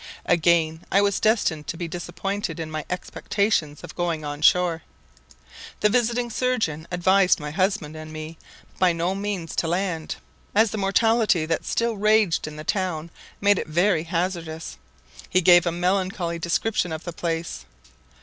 Again I was destined to be disappointed in my expectations of going on shore. The visiting surgeon advised my husband and me by no means to land, as the mortality that still raged in the town made it very hazardous. He gave a melancholy description of the place.